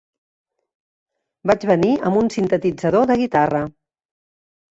Vaig venir amb un sintetitzador de guitarra.